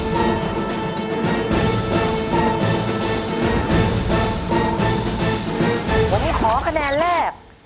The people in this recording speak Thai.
วันนี้ขอคะแนนแรก